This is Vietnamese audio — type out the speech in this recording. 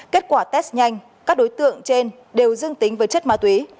kết quả test nhanh các đối tượng trên đều dương tính với chất ma túy